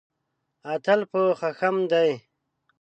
اتل په خښم دی.